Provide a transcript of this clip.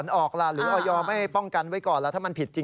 ยอมรับว่าการตรวจสอบเพียงเลขอยไม่สามารถทราบได้ว่าเป็นผลิตภัณฑ์ปลอม